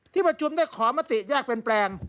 ที่ประจุมถึงได้ขอบำติแยกเป็นแปลง